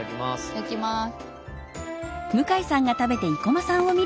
頂きます。